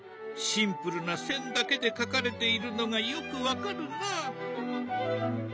シンプルな線だけで描かれているのがよく分かるな。